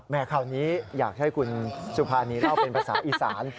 คราวนี้อยากให้คุณสุภานีเล่าเป็นภาษาอีสาน